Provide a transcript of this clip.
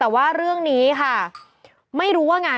แต่ว่าเรื่องนี้ค่ะ